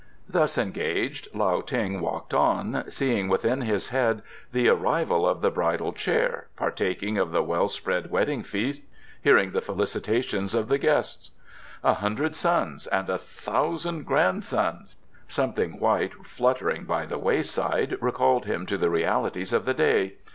Thus engaged, Lao Ting walked on, seeing within his head the arrival of the bridal chair, partaking of the well spread wedding feast, hearing the felicitations of the guests: "A hundred sons and a thousand grandsons!" Something white fluttering by the wayside recalled him to the realities of the day.